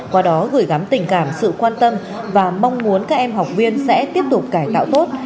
qua đó gửi gắm tình cảm sự quan tâm và mong muốn các em học viên sẽ tiếp tục cải tạo tốt